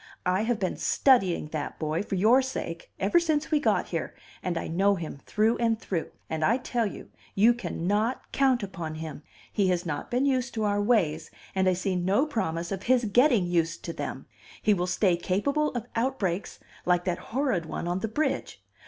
I have been studying that boy for your sake ever since we got here, and I know him through and through. And I tell you, you cannot count upon him. He has not been used to our ways, and I see no promise of his getting used to them. He will stay capable of outbreaks like that horrid one on the bridge.